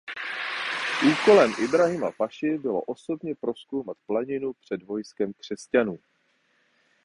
Úkolem Ibrahima Paši bylo osobně prozkoumat planinu před vojskem křesťanů.